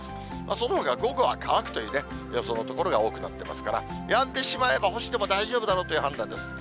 そのほかは午後は乾くという予想の所が多くなってますから、やんでしまえば、干しても大丈夫だろうという判断です。